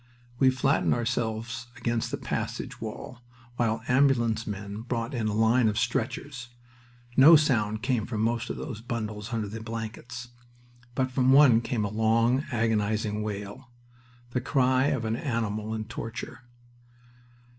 We flattened ourselves against the passage wall while ambulance men brought in a line of stretchers. No sound came from most of those bundles under the blankets, but from one came a long, agonizing wail, the cry of an animal in torture.